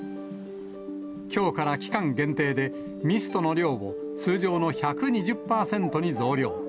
きょうから期間限定で、ミストの量を通常の１２０％に増量。